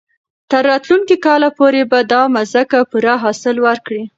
تر راتلونکي کال پورې به دا مځکه پوره حاصل ورکړي.